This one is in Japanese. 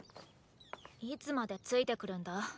いつまでついてくるんだ？